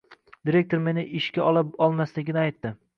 Direktor meni ishga ola olmasligini aytdi